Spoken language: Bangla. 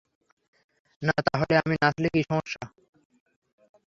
না তাহলে আমি নাচলে কি সমস্যা?